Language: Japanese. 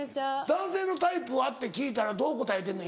「男性のタイプは？」って聞いたらどう答えてんの？